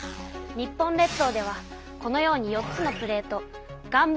日本列島ではこのように４つのプレート岩